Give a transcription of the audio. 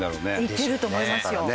行ってると思いますよ。